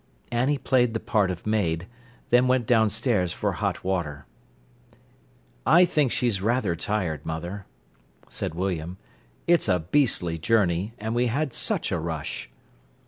Annie played the part of maid, then went downstairs for hot water. "I think she's rather tired, mother," said William. "It's a beastly journey, and we had such a rush."